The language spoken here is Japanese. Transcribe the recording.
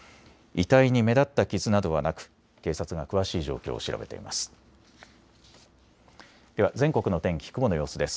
遺体に目立った傷などはなく警察が詳しい状況を調べています。